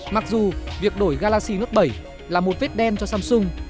mặc dù việc đổi galaxy lớp bảy là một vết đen cho samsung